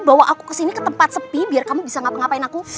bawa aku kesini ke tempat sepi biar kamu bisa ngapa ngapain aku